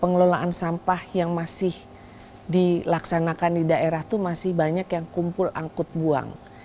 pengelolaan sampah yang masih dilaksanakan di daerah itu masih banyak yang kumpul angkut buang